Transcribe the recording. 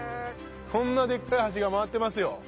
こんなデッカい橋が回ってますよ。